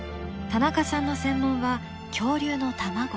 田中さんの専門は恐竜の卵。